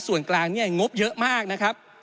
ส่วนกลางเนี่ยงบเยอะมากนะครับ